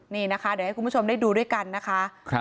นี่นะคะเดี๋ยวให้คุณผู้ชมได้ดูด้วยกันนะคะ